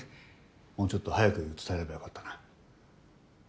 もうちょっと早く伝えればよかったな。